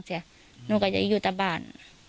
แน็งกระจายอยู่ตรรบ้าน